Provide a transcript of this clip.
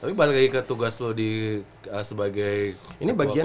tapi balik lagi ke tugas lo sebagai